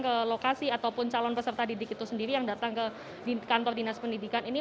ke lokasi ataupun calon peserta didik itu sendiri yang datang ke kantor dinas pendidikan ini